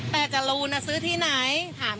แต่จะรู้ซื้อที่ไหน